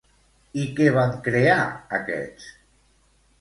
I què van crear aquests?